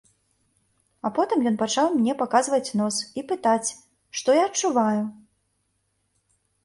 А потым ён пачаў мне паказваць нос і пытаць, што я адчуваю?